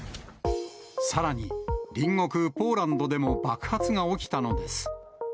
さらに、隣国ポーランドでも爆発が起きたのです。